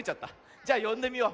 じゃよんでみよう。